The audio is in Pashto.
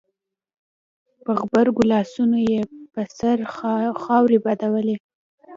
په غبرګو لاسونو يې پر سر خاورې بادولې.